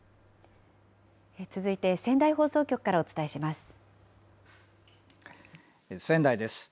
続いて仙台放送局からお伝えしま仙台です。